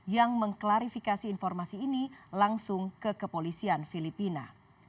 yang mengklarifikasi informasi ini langsung ke kepolisian filipina